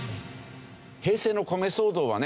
平成の米騒動はね